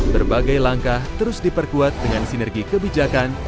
berbagai langkah terus diperkuat dengan sinergi kebijakan